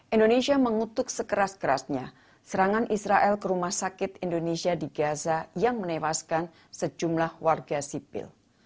indonesia mengutuk sekeras kerasnya serangan israel ke rumah sakit indonesia di gaza yang menewaskan sejumlah warga sipil